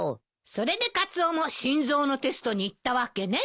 それでカツオも心臓のテストに行ったわけね。